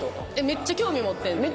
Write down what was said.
めっちゃ興味持ってんで。